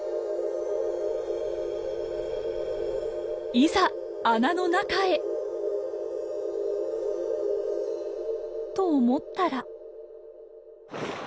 いざ穴の中へ！と思ったら。